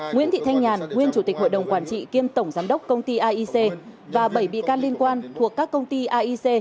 nguyễn thị thanh nhàn nguyên chủ tịch hội đồng quản trị kiêm tổng giám đốc công ty aic và bảy bị can liên quan thuộc các công ty aic